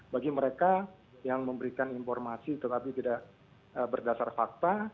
bagi mereka yang memberikan informasi tetapi tidak berdasar fakta